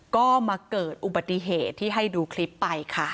ก็มาเกิดอุบัติเหตุที่ให้ดูคลิปไปค่ะ